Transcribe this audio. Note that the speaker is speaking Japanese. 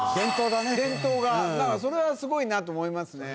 伝統がだからそれはすごいなと思いますね。